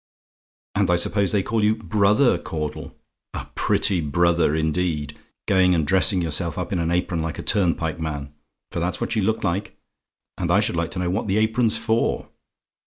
"And I suppose they call you BROTHER Caudle? A pretty brother, indeed! Going and dressing yourself up in an apron like a turnpike man for that's what you look like. And I should like to know what the apron's for?